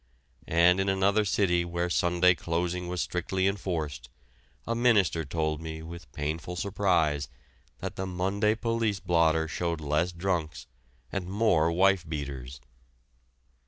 And in another city where Sunday closing was strictly enforced, a minister told me with painful surprise that the Monday police blotter showed less drunks and more wife beaters.